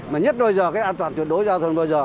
mà nhất bây giờ cái an toàn tuyệt đối giao thông bao giờ